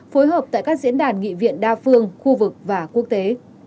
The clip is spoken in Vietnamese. phối hợp tại các diễn đàn nghị viện đa phương khu vực và quốc tế